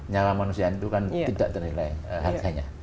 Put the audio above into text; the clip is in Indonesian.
nyala manusia itu kan tidak ternilai harganya